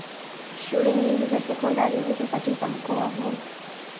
Shule nyingi za sekondari ziko katika mkoa huu